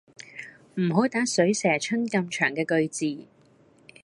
唔好打水蛇春咁長嘅句字